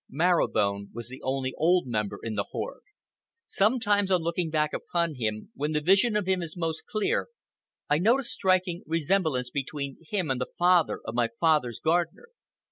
Marrow Bone was the only old member in the horde. Sometimes, on looking back upon him, when the vision of him is most clear, I note a striking resemblance between him and the father of my father's gardener.